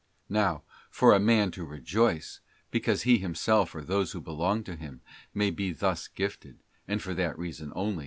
Now, for a man to rejoice, because he himself, or those who belong to him, may be thus gifted, and for that reason only, * S.